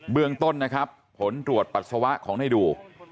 เรื่องต้นนะครับผลตรวจปัสสาวะของในดู